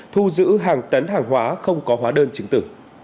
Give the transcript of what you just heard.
thu giữ hàng tấn hàng hóa không có hóa đơn chứng tử